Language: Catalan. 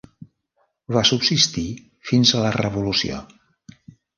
Va subsistir fins a la revolució.